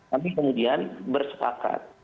kami kemudian bersepakat